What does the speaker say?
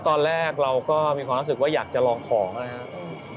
ตอนแรกเราก็มีความรู้สึกว่าอยากจะลองของนะครับ